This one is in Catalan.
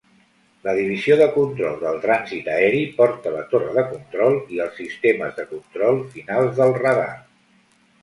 La divisió de control del trànsit aeri porta la torre de control i els sistemes de control finals del radar.